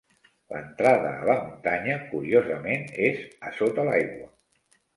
L'entrada a la muntanya, curiosament, és a sota l'aigua.